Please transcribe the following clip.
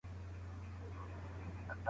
مثبت فکر بریالیتوب نه کموي.